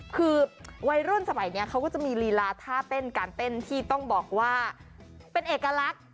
คือวัยรุ่นสมัยนี้เขาก็จะมีลีลาท่าเต้นการเต้นที่ต้องบอกว่าเป็นเอกลักษณ์